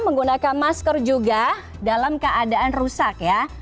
menggunakan masker juga dalam keadaan rusak ya